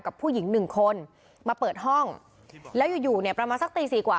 กับผู้หญิงหนึ่งคนมาเปิดห้องแล้วอยู่อยู่เนี่ยประมาณสักตีสี่กว่า